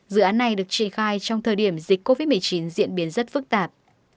dự án này được triển khai trong thời điểm dịch covid một mươi chín diễn biến rất phức tạp